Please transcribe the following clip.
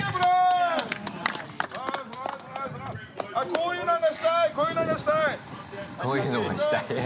こういうのがしたい。